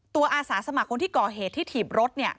อาสาสมัครคนที่ก่อเหตุที่ถีบรถเนี่ย